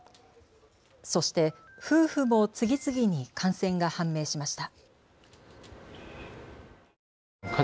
そして、夫婦も次々に感染が判明しました。